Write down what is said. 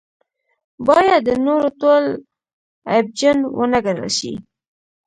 باید د نورو ټول عیبجن ونه ګڼل شي.